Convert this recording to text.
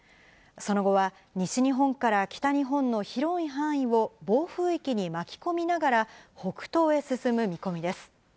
その後は西日本から北日本の広い範囲を暴風域に巻き込みながら、北東へ進む見込みです。